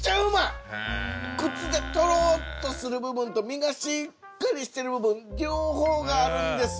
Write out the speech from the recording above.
口でとろっとする部分と身がしっかりしてる部分両方があるんですよ。